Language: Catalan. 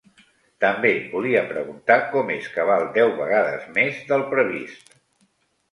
També volia preguntar com és que val deu vegades més del previst.